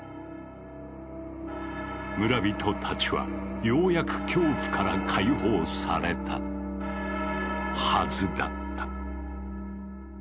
村人たちはようやく恐怖から解放されたはずだった。